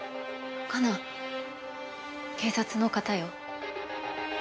香菜警察の方よ。